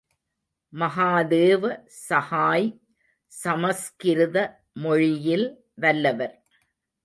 மகாதேவ சஹாய் சமஸ்கிருத மொழியில் வல்லவர்.